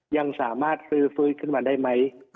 ยังสามารถซื้อฟื้นขึ้นมาได้ไหม